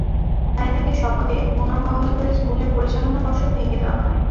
তাই তাঁকে স্বপদে পুনর্বহাল করে স্কুলের পরিচালনা পর্ষদ ভেঙে দেওয়া হয়।